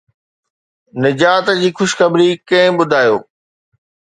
نجات جي خوشخبري ڪنهن ٻڌايو؟